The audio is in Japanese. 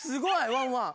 ワンワン！